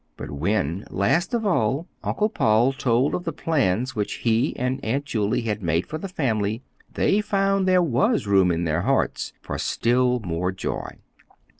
But when, last of all, Uncle Paul told of the plans which he and Aunt Julie had made for the family, they found there was room in their hearts for still more joy.